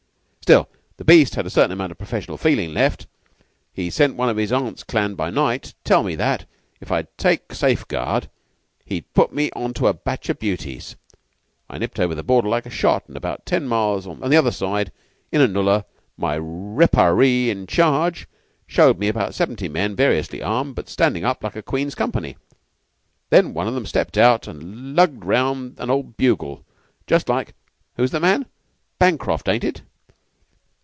"Still the beast had a certain amount of professional feeling left. He sent one of his aunt's clan by night to tell me that, if I'd take safeguard, he'd put me on to a batch of beauties. I nipped over the border like a shot, and about ten miles the other side, in a nullah, my rapparee in charge showed me about seventy men variously armed, but standing up like a Queen's company. Then one of 'em stepped out and lugged round an old bugle, just like who's the man? Bancroft, ain't it?